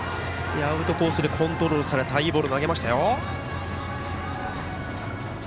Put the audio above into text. アウトコースにコントロールされたいいボールを投げましたよ。